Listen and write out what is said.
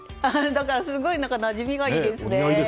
だからすごくなじみがいいですね。